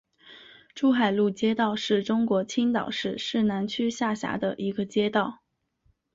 珠海路街道是中国青岛市市南区下辖的一个街道。